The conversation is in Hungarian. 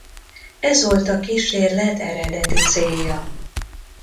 Ez volt a kísérlet eredeti célja.